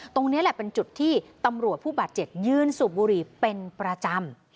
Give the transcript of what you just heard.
ตรงนี้แหละเป็นจุดที่ตำรวจผู้บาดเจ็บยืนสูบบุหรี่เป็นประจำ